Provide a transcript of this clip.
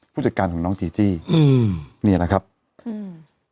ผู้จัดการของน้องจีจี้อืมเนี่ยนะครับอืม